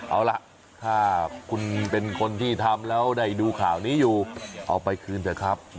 เอาล่ะถ้าคุณเป็นคนที่ทำแล้วได้ดูข่าวนี้อยู่เอาไปคืนเถอะครับ